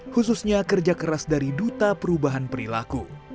khususnya kerja keras dari duta perubahan perilaku